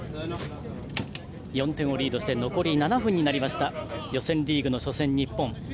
４点をリードして残り７分予選リーグの初戦、日本。